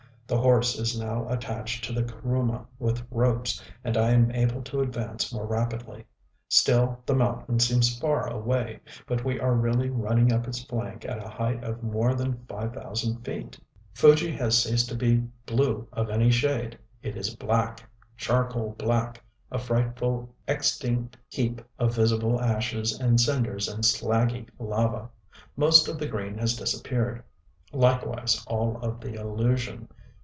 The horse is now attached to the kuruma with ropes, and I am able to advance more rapidly. Still the mountain seems far away; but we are really running up its flank at a height of more than five thousand feet. Fuji has ceased to be blue of any shade. It is black, charcoal black, a frightful extinct heap of visible ashes and cinders and slaggy lava.... Most of the green has disappeared. Likewise all of the illusion.